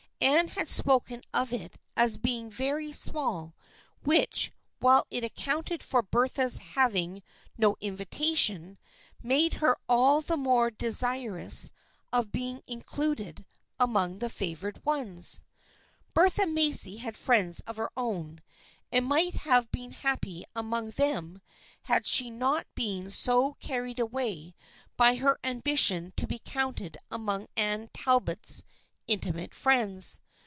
Anne had spoken of it as being very small, which, while it accounted for Bertha's hav ing no invitation, made her all the more desirous of being included among the favored ones. Bertha Macy had friends of her own, and might have been happy among them had she not been so carried away by her ambition to be counted among Anne Talbot's intimate friends.